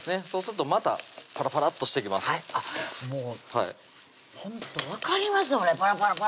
そうするとまたパラパラッとしてきます